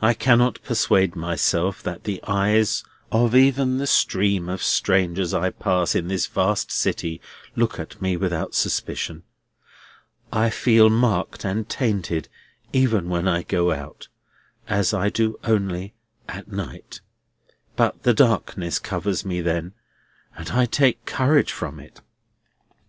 I cannot persuade myself that the eyes of even the stream of strangers I pass in this vast city look at me without suspicion. I feel marked and tainted, even when I go out—as I do only—at night. But the darkness covers me then, and I take courage from it."